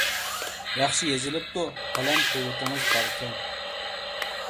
ياخشى يېزىلىپتۇ، قەلەم قۇۋۋىتىڭىز باركەن.